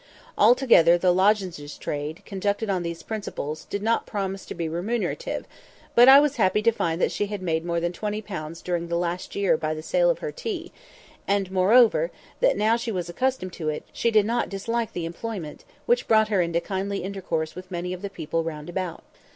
Altogether the lozenge trade, conducted on these principles, did not promise to be remunerative; but I was happy to find she had made more than twenty pounds during the last year by her sales of tea; and, moreover, that now she was accustomed to it, she did not dislike the employment, which brought her into kindly intercourse with many of the people round about.